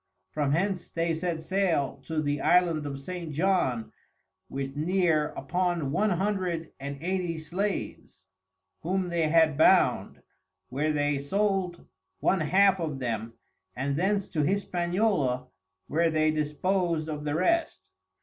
From hence they set Sail to the Island of St. John with near upon One Hundred and Eighty Slaves, whom they had bound, where they sold one half of them, and thence to Hispaniola, where they dispos'd of the rest.